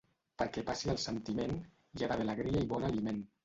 Perquè passi el sentiment hi ha d'haver alegria i bon aliment.